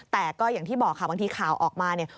แต่ก็อย่างที่บอกค่ะบางทีข่าวออกมาเนี่ย